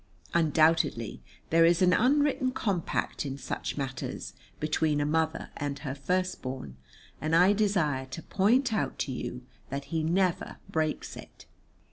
Undoubtedly there is an unwritten compact in such matters between a mother and her first born, and I desire to point out to you that he never breaks it.